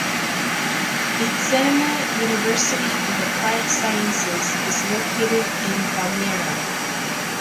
Vidzeme University of Applied Sciences is located in Valmiera.